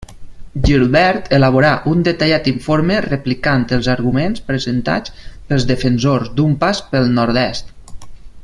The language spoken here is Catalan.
Gilbert elaborà un detallat informe replicant els arguments presentats pels defensors d'un pas pel nord-est.